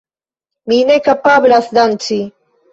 Mi ne kapablas danci.